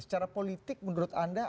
secara politik menurut anda